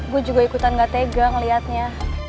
gue juga ikutan gak tega ngeliatnya